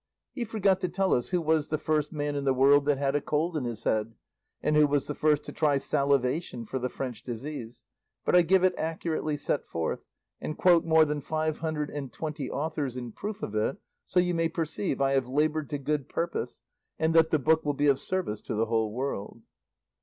He forgot to tell us who was the first man in the world that had a cold in his head, and who was the first to try salivation for the French disease, but I give it accurately set forth, and quote more than five and twenty authors in proof of it, so you may perceive I have laboured to good purpose and that the book will be of service to the whole world."